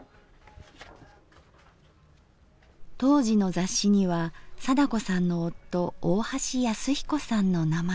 当時の雑誌には貞子さんの夫大橋恭彦さんの名前が。